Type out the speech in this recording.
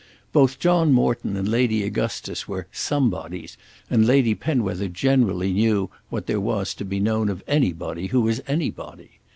Both John Morton and Lady Augustus were "somebodies," and Lady Penwether generally knew what there was to be known of anybody who was anybody.